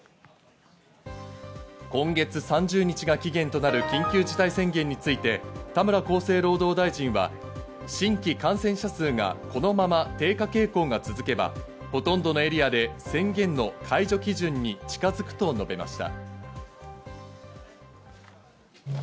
今月３０日が期限となる緊急事態宣言について田村厚生労働大臣は新規感染者数がこのまま低下傾向が続けば、ほとんどのエリアで宣言の解除基準に近づくと述べました。